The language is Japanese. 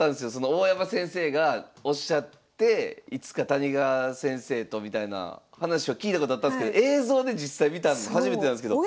大山先生がおっしゃっていつか谷川先生とみたいな話を聞いたことあったんですけど映像で実際見たの初めてなんですけど。